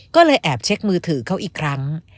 ก็เลยแอบเช็คมือถือเขาอีกครั้ง